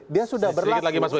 dia sudah berlaku